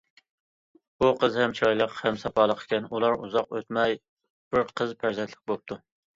بۇ قىز ھەم چىرايلىق ھەم ساپالىق ئىكەن، ئۇلار ئۇزاق ئۆتمەي بىر قىز پەرزەنتلىك بوپتۇ.